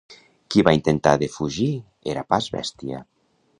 Qui va inventar de fugir era pas bèstia.